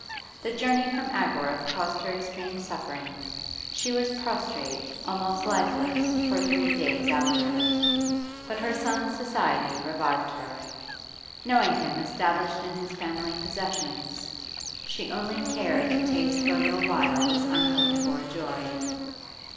The journey from Agworth cost her extreme suffering; she was prostrate, almost lifeless, for three days after it. But her son's society revived her. Knowing him established in his family possessions, she only cared to taste for a little while this unhoped for joy.